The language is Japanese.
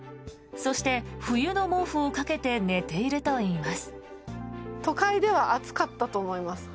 そして、冬の毛布をかけて寝ているといいます。